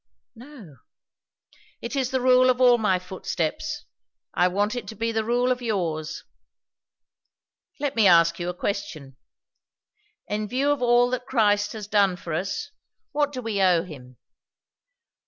"No." "It is the rule of all my footsteps. I want it to be the rule of all yours. Let me ask you a question. In view of all that Christ has done for us, what do we owe him?"